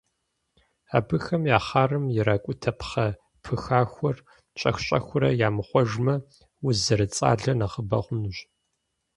Абыхэм я хъарым иракӏутэ пхъэ пыхахуэр щӏэх-щӏэхыурэ ямыхъуэжмэ, уз зэрыцӏалэр нэхъыбэ хъунущ.